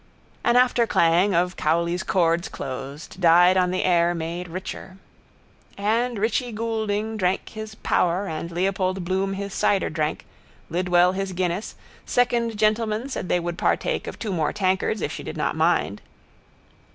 An afterclang of Cowley's chords closed, died on the air made richer. And Richie Goulding drank his Power and Leopold Bloom his cider drank, Lidwell his Guinness, second gentleman said they would partake of two more tankards if she did not mind.